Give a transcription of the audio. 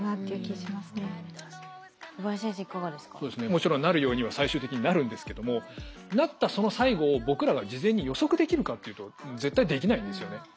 もちろんなるようには最終的になるんですけどもなったその最後を僕らが事前に予測できるかっていうと絶対できないんですよね。